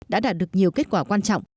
đã đạt được nhiều kết quả quan trọng